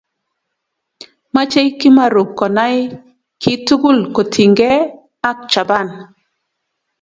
Machei Kimarubkonai ki tugul kotinyge ak Japan.